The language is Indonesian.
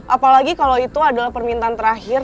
apalagi kalau itu adalah permintaan terakhir